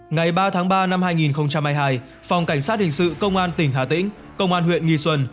ngày ba tháng ba năm hai nghìn hai mươi hai phòng cảnh sát hình sự công an tỉnh hà tĩnh công an huyện nghi xuân